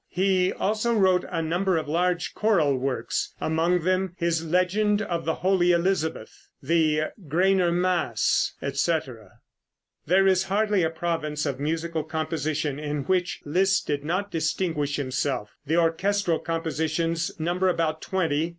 He also wrote a number of large choral works, among them his "Legend of the Holy Elizabeth," the "Graner Mass," etc. [Illustration: Fig. 83. LISZT AS ABBÉ. (Grove.)] There is hardly a province of musical composition in which Liszt did not distinguish himself. The orchestral compositions number about twenty.